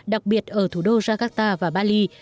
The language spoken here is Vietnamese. đặc biệt ở thủ đô jakarta và bali